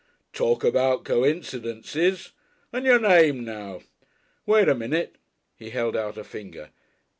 "Talk about coincidences! And your name now? Wait a minute." He held out a finger.